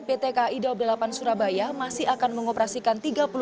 pt kai daobdelapan surabaya masih akan mengoperasikan